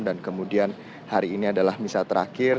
dan kemudian hari ini adalah misal terakhir